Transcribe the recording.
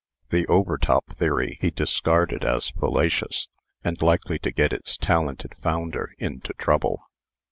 The Overtop theory he discarded as fallacious, and likely to get its talented founder into trouble.